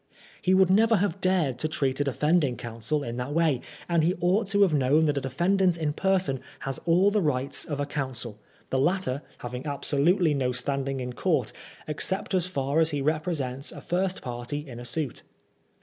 He would never have dared to treat a defending counsel in that way, and he ought to have known that a defendant in person has all the rights of a counsel, the latter having absolutely no standing in court ex AT THE OLD 3AILEY. 75 cept so far as he represents a first party in a suit.